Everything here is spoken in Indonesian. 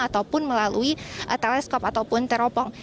ataupun melalui teleskop ataupun teropong